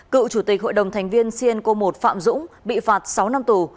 cựu chủ tịch hội đồng thành viên cnco một phạm dũng bị phạt sáu năm tù